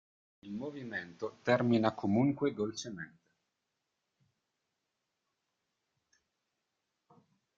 Il movimento termina comunque dolcemente.